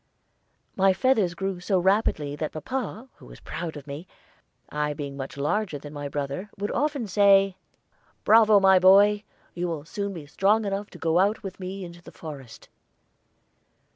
My feathers grew so rapidly that papa, who was very proud of me, I being much larger than my brother, would often say, "Bravo, my boy! You will soon be strong enough to go out with me into the forest."